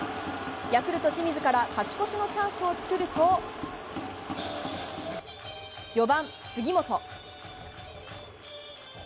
ヤクルト清水から勝ち越しのチャンスを作ると４番、杉本。